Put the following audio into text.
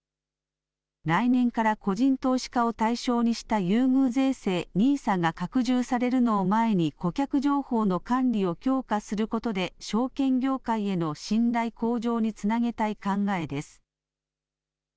来年から個人投資家を対象にした優遇税制ＮＩＳＡが拡充されるのを前に顧客情報の管理を強化することで証券業界への信頼向上につなげたい考えです。